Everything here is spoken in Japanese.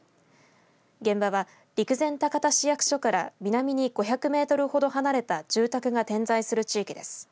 現場は陸前高田市役所から南に５００メートルほど離れた住宅が点在する地域です。